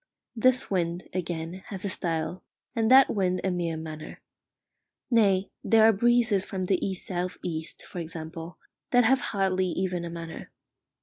This wind, again, has a style, and that wind a mere manner. Nay, there are breezes from the east south east, for example, that have hardly even a manner.